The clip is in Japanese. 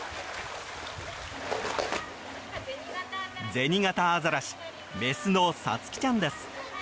ゼニガタアザラシメスのさつきちゃんです。